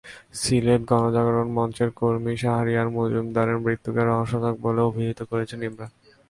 সিলেট গণজাগরণ মঞ্চের কর্মী শাহরিয়ার মজুমদারের মৃত্যুকে রহস্যজনক বলে অভিহিত করেন ইমরান।